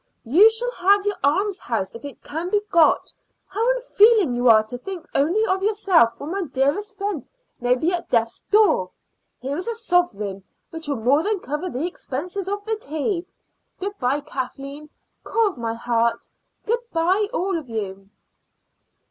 "You shall have your almshouse if it can be got. How unfeeling you are to think only of yourself when my dearest friend may be at death's door. Here's a sovereign, which will more than cover the expenses of the tea. Good bye, Kathleen, core of my heart. Good bye, all of you."